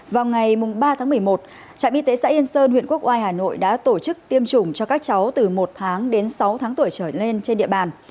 vào ngày ba tháng một mươi một trạm y tế xã yên sơn huyện quốc oai hà nội đã tổ chức tiêm chủng cho các cháu từ một tháng đến sáu tháng tuổi trở lên trên địa bàn